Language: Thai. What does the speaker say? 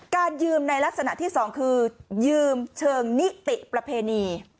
การยืมในลักษณะที่สองคือยืมเชิงนิติประเพณี